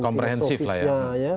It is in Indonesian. komprehensif lah ya